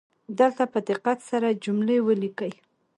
دلته په دقت سره جملې ولیکئ